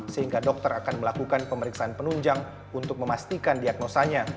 sehingga dokter akan melakukan pemeriksaan penunjang untuk memastikan diagnosanya